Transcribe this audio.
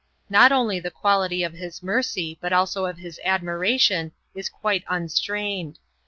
Not only the quality of his mercy, but also of his admiration, is quite unstrained.